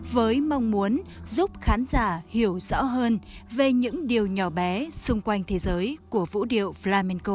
với mong muốn giúp khán giả hiểu rõ hơn về những điều nhỏ bé xung quanh thế giới của vũ điệu flamenko